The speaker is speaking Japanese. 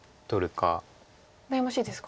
悩ましいですか。